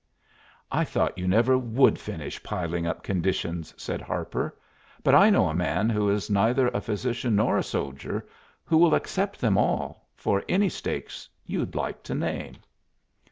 "I thought you never would finish piling up conditions," said Harper, "but I know a man who is neither a physician nor a soldier who will accept them all, for any stake you like to name."